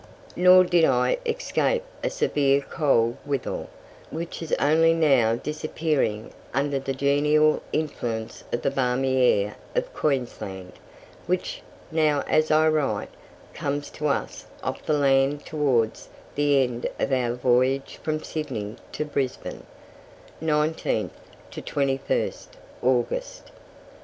Nor did I escape a severe cold withal, which is only now disappearing under the genial influence of the balmy air of Queensland, which, now as I write, comes to us off the land towards the end of our voyage from Sydney to Brisbane (19th 21st August).